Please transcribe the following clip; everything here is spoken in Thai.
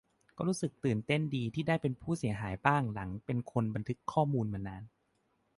ก็รู้สึกตื่นเต้นดีที่ได้เป็นผู้เสียหายบ้าง หลังเป็นคนบันทึกข้อมูลมานาน